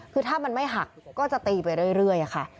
คือถ้ามันไม่หักก็จะตีไปเรื่อยค่ะ